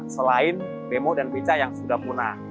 selain bemo dan beca yang sudah punah